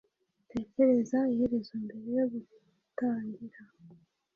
Tekereza iherezo mbere yo gutangira